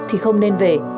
thì không nên về